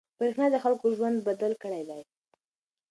برېښنا د خلکو ژوند بدل کړی دی.